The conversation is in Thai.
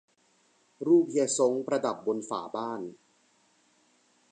รูปเฮียซ้งประดับบนฝาบ้าน